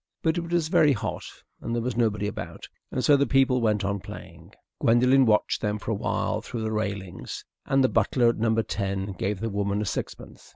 But it was very hot, and there was nobody about, and so the people went on playing. Gwendolen watched them for a while through the railings, and the butler at Number Ten gave the woman a sixpence.